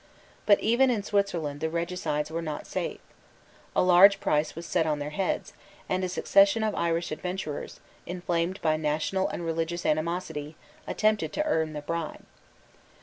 But even in Switzerland the regicides were not safe. A large price was set on their heads; and a succession of Irish adventurers, inflamed by national and religious animosity, attempted to earn the bribe.